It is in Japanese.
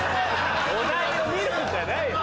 お題を見るんじゃないよ。